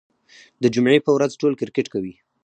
د جمعې په ورځ ټول کرکټ کوي.